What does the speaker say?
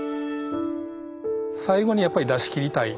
最後にやっぱり出しきりたい。